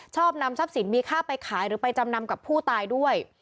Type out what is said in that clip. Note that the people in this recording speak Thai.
นำทรัพย์สินมีค่าไปขายหรือไปจำนำกับผู้ตายด้วย